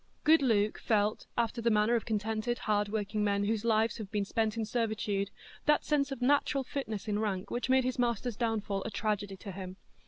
Good Luke felt, after the manner of contented hard working men whose lives have been spent in servitude, that sense of natural fitness in rank which made his master's downfall a tragedy to him.